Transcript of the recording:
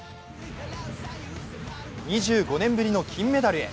２５年ぶりの金メダルへ。